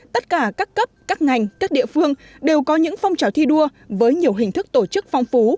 tất cả các cấp các ngành các địa phương đều có những phong trào thi đua với nhiều hình thức tổ chức phong phú